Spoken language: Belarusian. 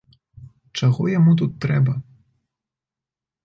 Чаго яму тут трэба?